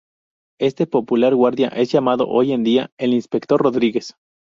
Este popular guardia es llamado hoy en día "El Inspector Rodríguez".